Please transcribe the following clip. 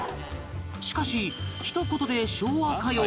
しかしひと言で「昭和歌謡」といっても